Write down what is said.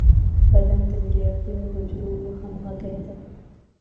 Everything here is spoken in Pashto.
بدن د ملیاردونو حجرو همغږي ده.